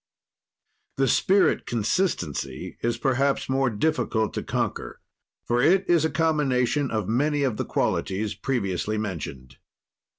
"The spirit consistency is perhaps more difficult to conquer, for it is a combination of many of the qualities previously mentioned.